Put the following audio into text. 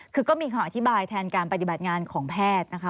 คือก็มีคำอธิบายแทนการปฏิบัติงานของแพทย์นะคะ